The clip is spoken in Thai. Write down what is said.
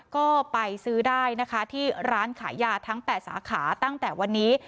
ก็ไปซื้อได้นะคะที่ร้านขายยาทั้ง๘สาขาตั้งแต่วันนี้